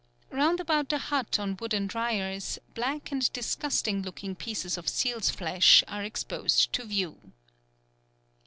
Round about the hut on wooden dryers, black and disgusting looking pieces of seal's flesh are exposed to view."